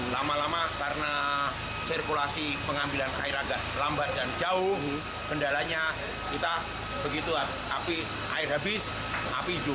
lama lama karena sirkulasi pengambilan air agak lambat dan jauh kendalanya kita begituan tapi air habis api hijau